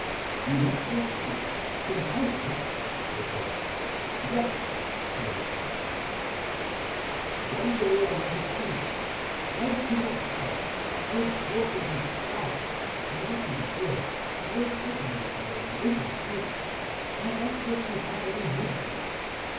'You went to the street, to the house in it?' I said. 'Yes,' he answered. 'One day I went to Cumnor Street. I could not help it; I was tortured with doubt. I knocked at the door, and a respectable looking woman opened it to me. I asked her if she had any rooms to let.